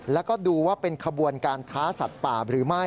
แล้วก็ดูว่าเป็นขบวนการค้าสัตว์ป่าหรือไม่